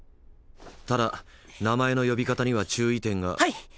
ただ名前の呼び方には注意点が。はいっ！